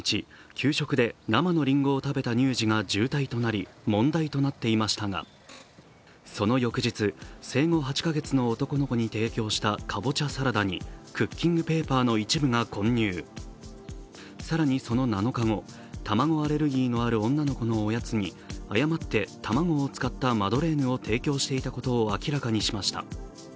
給食で生のりんごを食べた乳児が重体となり問題となっていましたがその翌日、生後８か月の男の子に提供したかぼちゃサラダにクッキングペーパーの一部が混入、更にその７日後、卵アレルギーのある女の子のおやつに誤って卵を使ったマドレーヌを提供していたことを明らかにしました。